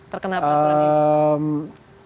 terkena peraturan ini